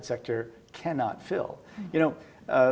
oleh sektor pribadi